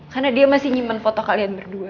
karena dia masih nyiman foto kalian berdua